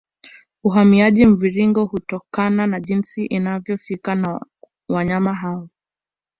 Uhamiaji Mviringo hutokana na jinsi inavyofanyika na wanyama hao